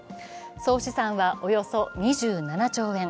総資産はおよそ２７兆円。